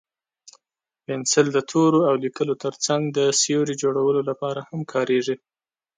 پنسل د تورو او لیکلو تر څنګ د سیوري جوړولو لپاره هم کارېږي.